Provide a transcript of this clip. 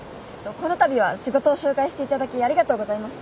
このたびは仕事を紹介していただきありがとうございます。